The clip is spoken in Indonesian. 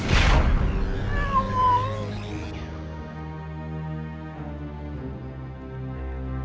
kamu harus hadapimu